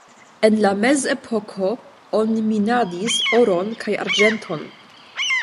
En la mezepoko oni minadis oron kaj arĝenton.